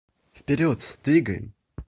Вперед, двигаем!